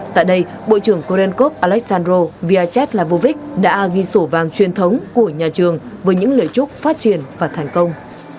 tại đây bộ trưởng korean corp alexandro vyacheslavovic đã ghi sổ vàng truyền thống của nhà trường với những lời chúc phát triển và thành công